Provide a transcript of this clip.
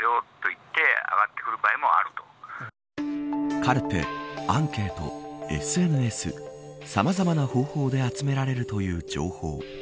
カルテ、アンケート、ＳＮＳさまざまな方法で集められるという情報。